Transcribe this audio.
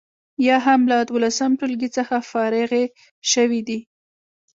یا هم له دولسم ټولګي څخه فارغې شوي دي.